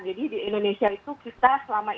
jadi di indonesia itu kita selama ini